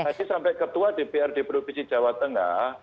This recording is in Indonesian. nanti sampai ketua dprd provinsi jawa tengah